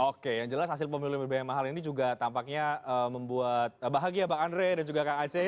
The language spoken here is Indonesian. oke yang jelas hasil pemilu yang berbiaya mahal ini juga tampaknya membuat bahagia pak andre dan juga kak aceh